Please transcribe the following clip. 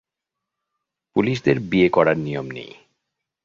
পুলিশদের বিয়ে করার নিয়ম নেই।